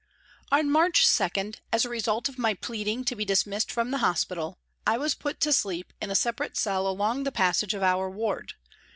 ON March 2, as a result of my pleading to be dis missed from the hospital, I was put to sleep in a separate cell along the passage of our ward.